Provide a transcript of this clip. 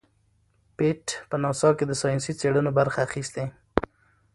پېټټ په ناسا کې د ساینسي څیړنو برخه اخیستې.